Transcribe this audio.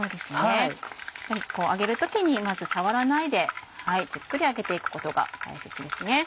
やっぱり揚げる時にまず触らないでじっくり揚げていくことが大切ですね。